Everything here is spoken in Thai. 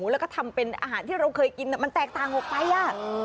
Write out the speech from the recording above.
แล้วก็ทำเป็นอาหารที่เราเคยกินมันแตกต่างออกไปอ่ะ